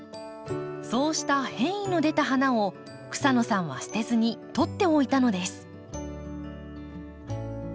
そうした変異の出た花を草野さんは捨てずに取っておいたのです。